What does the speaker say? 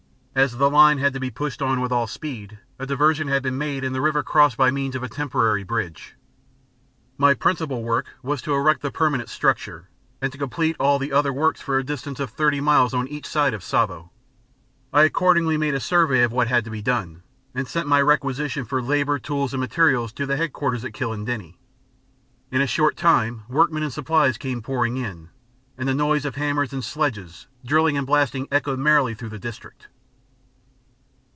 As the line had to be pushed on with all speed, a diversion had been made and the river crossed by means of a temporary bridge. My principal work was to erect the permanent structure, and to complete all the other works for a distance of thirty miles on each side of Tsavo. I accordingly made a survey of what had to be done, and sent my requisition for labour, tools and material to the head quarters at Kilindini. In a short time workmen and supplies came pouring in, and the noise of hammers and sledges, drilling and blasting echoed merrily through the district.